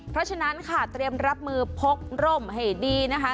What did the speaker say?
เพราะฉะนั้นค่ะเตรียมรับมือพกร่มให้ดีนะคะ